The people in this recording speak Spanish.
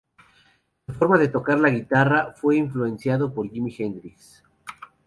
Su forma de tocar la guitarra fue influenciado por Jimi Hendrix.